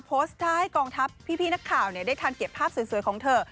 โพสต์ท่าให้กองทัพพี่นักข่าวได้ทันเก็บภาพสวยของเธอ